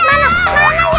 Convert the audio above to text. ada nyamuk raksasanya